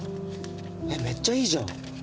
めっちゃいいじゃん。